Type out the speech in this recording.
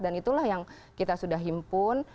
dan itulah yang kita sudah himpun